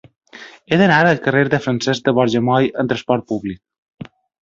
He d'anar al carrer de Francesc de Borja Moll amb trasport públic.